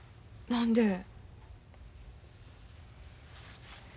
何で？